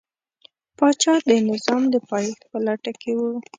پاچا د نظام د پایښت په لټه کې و.